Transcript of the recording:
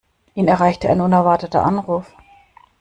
Ihn erreichte ein unerwarteter Anruf.